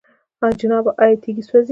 جنابه! آيا تيږي سوزي؟